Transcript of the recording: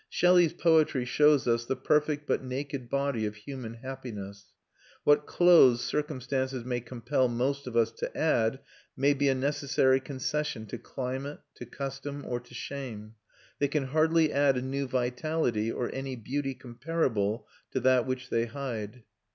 Shelley's poetry shows us the perfect but naked body of human happiness. What clothes circumstances may compel most of us to add may be a necessary concession to climate, to custom, or to shame; they can hardly add a new vitality or any beauty comparable to that which they hide.